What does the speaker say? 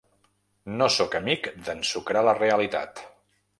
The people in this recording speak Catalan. No sóc amic d’ensucrar la realitat.